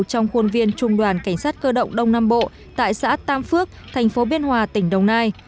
trong khuôn viên trung đoàn cảnh sát cơ động đông nam bộ tại xã tam phước thành phố biên hòa tỉnh đồng nai